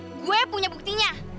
eh gue punya buktinya